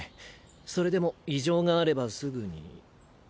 それでも異常があればすぐに。